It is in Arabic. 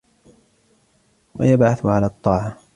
وَيَبْعَثُ عَلَى الطَّاعَةِ